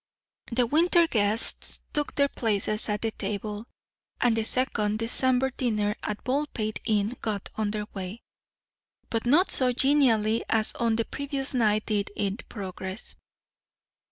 The winter guests took their places at the table, and the second December dinner at Baldpate Inn got under way. But not so genially as on the previous night did it progress.